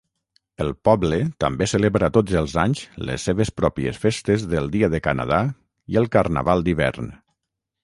El poble també celebra tots els anys les seves pròpies festes del Dia de Canadà i el carnaval d'hivern.